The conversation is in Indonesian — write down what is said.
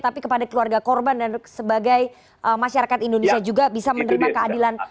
tapi kepada keluarga korban dan sebagai masyarakat indonesia juga bisa menerima keadilan